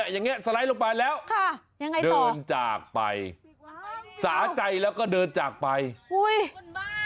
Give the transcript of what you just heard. อย่างนี้สไลด์ลงไปแล้วสาใจแล้วก็เดินจากไปโอ้โหยังไงต่อ